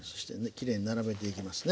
きれいに並べていきますね。